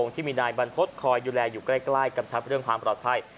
ที่มีนายบรรพฤษคอยดูแลอยู่ใกล้กำชับเรื่องความปลอดภัย